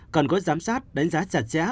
cần có giám sát đánh giá chặt chẽ